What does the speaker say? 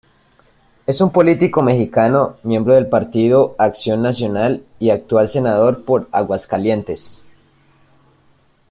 Es un político mexicano miembro del Partido Acción Nacional y actual Senador por Aguascalientes.